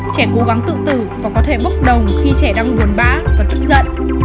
trẻ cố gắng tự tử và có thể bốc đồng khi trẻ đang buồn bã và tức giận